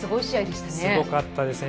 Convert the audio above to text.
すごかったですね